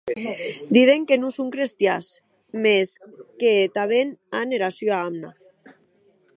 Diden que non son crestians, mès que tanben an era sua amna.